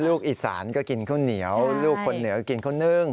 ลูกอีสานก็กินข้าวเหนียวลูกคนเหนือกินข้าวนึ่ง